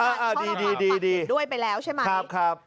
เขาลองฟังฝั่งเห็นด้วยไปแล้วใช่ไหม